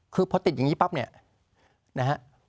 คือพอติดอย่างนี้ปั๊บเนี่ยนะฮะ